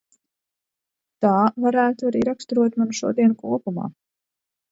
Tā varētu arī raksturot manu šodienu kopumā.